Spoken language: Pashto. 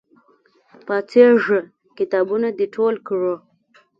پاڅېږه! کتابونه د ټول کړه!